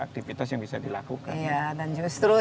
aktivitas yang bisa dilakukan ya dan justru